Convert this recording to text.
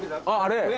あれ？